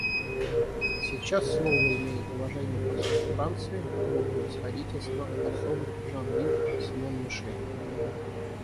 А сейчас слово имеет уважаемый посол Франции — Его Превосходительство посол Жан-Юг Симон-Мишель.